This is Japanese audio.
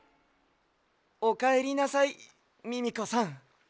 おかえりなさいミミコさん。